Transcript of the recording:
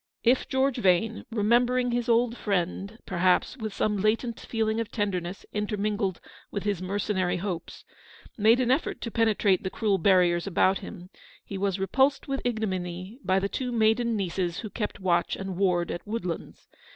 If George Vane — remembering his old friend, perhaps, with some latent feeling of tenderness intermingled with his mercenary hopes — made an effort to penetrate the cruel barriers about him, he was repulsed with ignominy by the two maiden nieces who kept watch and ward at Woodlands.